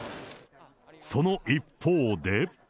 その一方で。